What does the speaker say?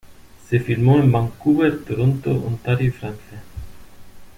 Se filmó en Vancouver, Toronto, Ontario y Francia.